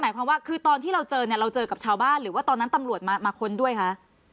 หมายความว่าคือตอนที่เราเจอเนี่ยเราเจอกับชาวบ้านหรือว่าตอนนั้นตำรวจมาค้นด้วยคะ